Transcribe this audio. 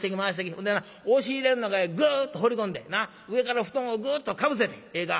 ほんでな押し入れの中へグッと放り込んで上から布団をグッとかぶせてええか？